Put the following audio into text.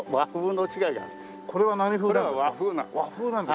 これは何風なんですか？